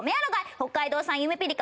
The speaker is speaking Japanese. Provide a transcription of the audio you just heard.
北海道産ゆめぴりか